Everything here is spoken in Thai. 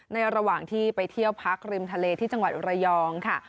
ระหว่างที่ไปเที่ยวพักริมทะเลที่จังหวัดระยองค่ะ